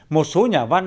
một số nhà văn